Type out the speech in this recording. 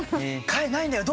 「替えないんだよ。